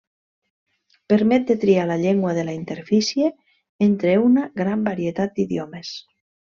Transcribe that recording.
Permet de triar la llengua de la interfície entre una gran varietat d'idiomes.